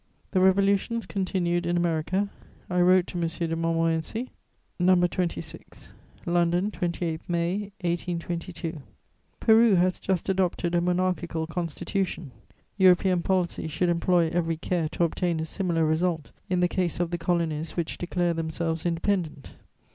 The revolutions continued in America. I wrote to M. de Montmorency: No. 26. "LONDON, 28 May 1822. "Peru has just adopted a monarchical Constitution. European policy should employ every care to obtain a similar result in the case of the colonies which declare themselves independent.